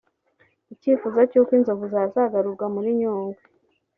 Ku cyifuzo cy’uko inzovu zazagarurwa muri Nyungwe